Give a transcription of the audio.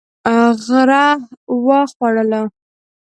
غره و خوړلو.